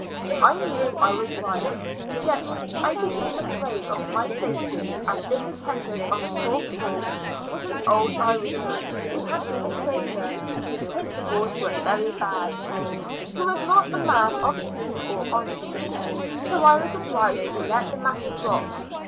I knew I was right, yet I became afraid of my safety, as this attendant on the fourth hall was an okL Irishman who had been a sailor, whose principles were very bad; he was not a man of truth or honesty; so I was obliged to let the matter drop.